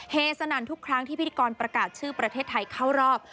สนั่นทุกครั้งที่พิธีกรประกาศชื่อประเทศไทยเข้ารอบ